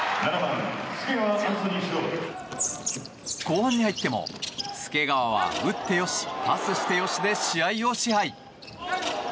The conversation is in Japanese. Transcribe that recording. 後半に入っても、介川は打って良し、パスして良しで試合を支配。